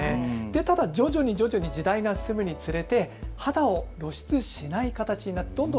ただ徐々に時代が進むにつれ肌を露出しない形になっていきました。